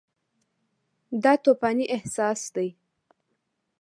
دا توپاني احساسات دي.